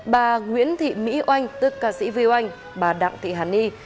bà nguyễn thị mỹ oanh tức ca sĩ viu anh bà đặng thị hàn ni